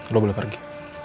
lo boleh pergi